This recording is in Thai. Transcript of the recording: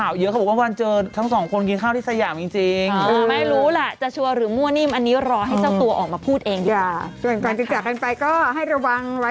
พวกคนเขาเป็นรายงานพวกแม่เขาก็เห็นเรา